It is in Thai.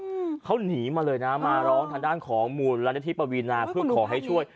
อืมเขาหนีมาเลยนะมาร้องทางด้านของมูลนิธิปวีนาเพื่อขอให้ช่วย